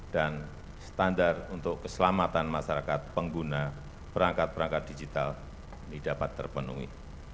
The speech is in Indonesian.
dan standar untuk keselamatan masyarakat pengguna perangkat perangkat digital ini dapat terpenuhi